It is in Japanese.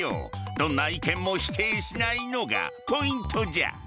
どんな意見も否定しないのがポイントじゃ。